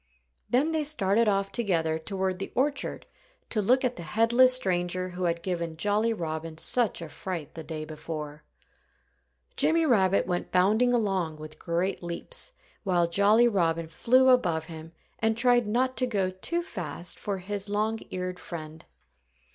Then they started off together toward the orchard to look at the headless stranger who had given Jolly Robin such a fright the day before. Jimmy Rabbit went bounding along with great leaps, while Jolly Robin flew above him and tried not to go too fast for his long eared friend.